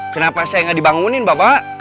kenapa saya nggak dibangunin bapak